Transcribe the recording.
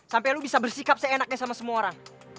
sampai lu bisa bersikap seenaknya sama semua orang